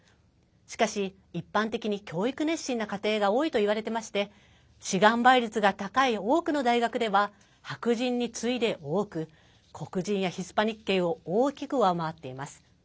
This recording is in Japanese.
しかし、一般的に教育熱心な家庭が多いといわれてまして志願倍率が高い多くの大学では白人に次いで多く黒人やヒスパニック系を大きく上回っています。